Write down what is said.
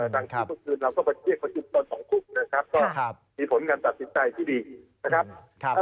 ที่เมื่อคืนเราก็มาเรียกประชุมตอน๒ทุ่มนะครับก็มีผลการตัดสินใจที่ดีนะครับ